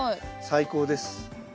最高です。